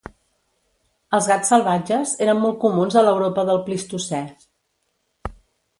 Els gats salvatges eren molt comuns a l'Europa del Plistocè.